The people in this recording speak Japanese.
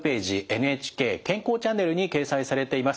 「ＮＨＫ健康チャンネル」に掲載されています。